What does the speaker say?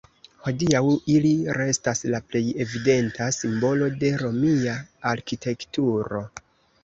Hodiaŭ ili restas "la plej evidenta simbolo de romia arkitekturo".